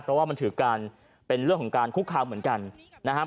เพราะว่ามันถือการเป็นเรื่องของการคุกคามเหมือนกันนะครับ